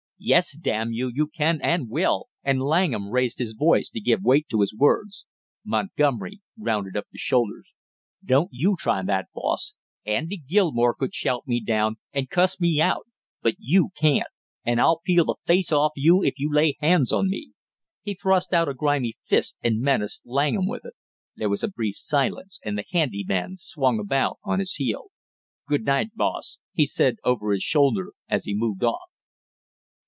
"Yes, damn you you can and will!" and Langham raised his voice to give weight to his words. Montgomery rounded up his shoulders. "Don't you try that, boss! Andy Gilmore could shout me down and cuss me out, but you can't; and I'll peel the face off you if you lay hands on me!" He thrust out a grimy fist and menaced Langham with it. There was a brief silence and the handy man swung about on his heel. "Good night, boss!" he said over his shoulder, as he moved off.